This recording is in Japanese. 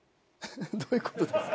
どういうことですか？